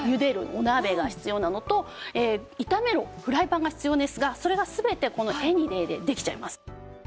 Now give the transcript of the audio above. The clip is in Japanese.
お鍋が必要なのと炒めるフライパンが必要ですがそれが全てこのエニデイでできちゃいます。